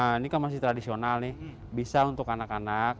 xe saya akan datang dan buat sebelum itu d carta scale unik atau pria giliran uni